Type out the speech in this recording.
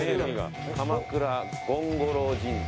鎌倉権五郎神社。